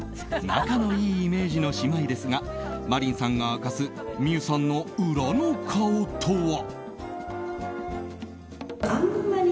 仲のいいイメージの姉妹ですが真凜さんが明かす、望結さんの裏の顔とは。